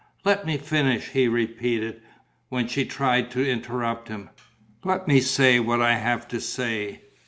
"Let me finish," he repeated, when she tried to interrupt him. "Let me say what I have to say.